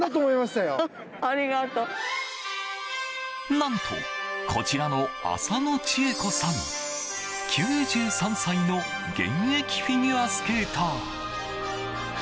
何と、こちらの浅野千江子さん９３歳の現役フィギュアスケーター。